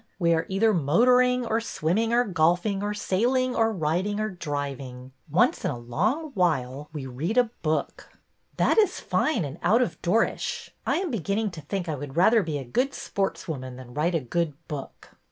We are either motoring or swimming or golfing or sailing or riding or driving. Once in a long while we read a book." That is fine and out of doorish. I am be ginning to think I would rather be a good sports woman than write a good book."